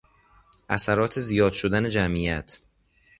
اثرات زیاد شدن جمعیت